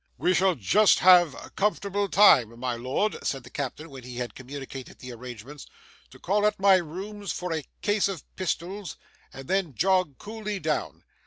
'We shall just have comfortable time, my lord,' said the captain, when he had communicated the arrangements, 'to call at my rooms for a case of pistols, and then jog coolly down.